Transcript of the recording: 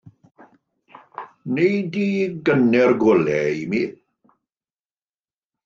Wnei di gynnau'r golau i mi.